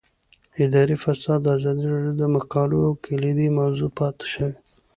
اداري فساد د ازادي راډیو د مقالو کلیدي موضوع پاتې شوی.